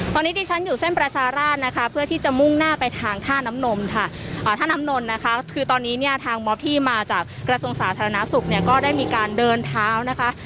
ตอนนี้ดิฉันอยู่เส้นประชาราชนะคะเพื่อที่จะมุ่งหน้าไปทางท่าน้ำนมค่ะท่าน้ำนนนะคะคือตอนนี้เนี่ยทางม็อบที่มาจากกระทรวงสาธารณสุขเนี่ยก็ได้มีการเดินเท้านะคะ